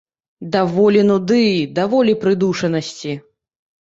Даволі нуды, даволі прыдушанасці!